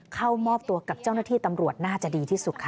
เข้ามอบตัวกับเจ้าหน้าที่ตำรวจน่าจะดีที่สุดค่ะ